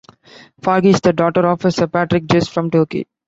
Farhi is the daughter of Sephardic Jews from Turkey.